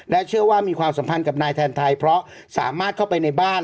เชื่อว่ามีความสัมพันธ์กับนายแทนไทยเพราะสามารถเข้าไปในบ้าน